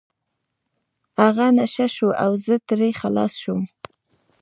هغه نشه شو او زه ترې خلاص شوم.